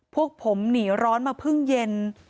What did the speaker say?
พวกผมหนีร้อนมาเพิ่งเย็น